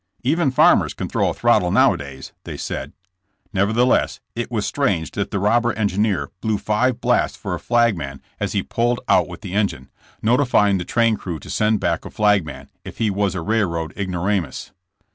*'Even farmers can throw a throttle nowadays," they said. Nevertheless, it was strange that the robber engineer blew five blasts for a flagman as he pulled 'The I.KKDS HOI.D UP. 119 out with the engine, notifying the train crew to send back a flagman, if he was a railroad ignoramus.